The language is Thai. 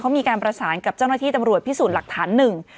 เขามีการประสานกับเจ้าหน้าที่ตำรวจพิสูจน์หลักฐานหนึ่ง